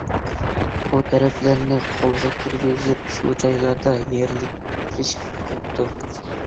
ئۇ تەرەپلەرنى قولغا كىرگۈزۈپ، شۇ جايلاردا يەرلىكلىشىپ قاپتۇ.